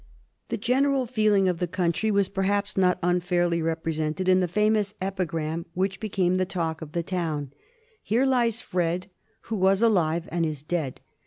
The general feeling of the country was perhaps not unfairly represented in the famous epigram which became the talk of the town: "Here lies Fred, Who was alive and is dead.